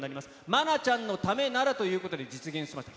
愛菜ちゃんのためならということで、実現しました。